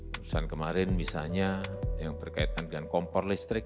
perusahaan kemarin misalnya yang berkaitan dengan kompor listrik